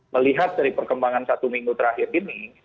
melihat dari perkembangan satu minggu terakhir ini